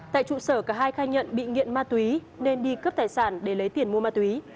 tại trụ sở cả hai khai nhận bị nghiện ma túy nên đi cướp tài sản để lấy tiền mua ma túy